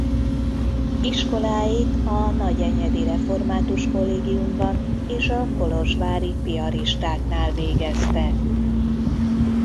Iskoláit a nagyenyedi református kollégiumban és a kolozsvári piaristáknál végezte.